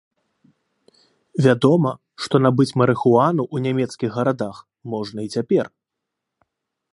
Вядома, што набыць марыхуану ў нямецкіх гарадах можна і цяпер.